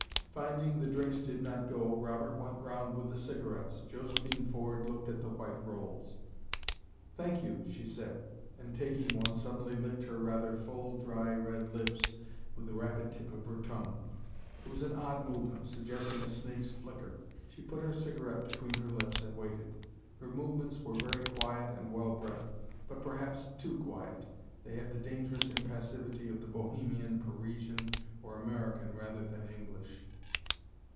Finding the drinks did not go, Robert went round with the cigarettes. Josephine Ford looked at the white rolls. "Thank you," she said, and taking one, suddenly licked her rather full, dry red lips with the rapid tip of her tongue. It was an odd movement, suggesting a snake's flicker. She put her cigarette between her lips, and waited. Her movements were very quiet and well bred; but perhaps too quiet, they had the dangerous impassivity of the Bohemian, Parisian or American rather than English.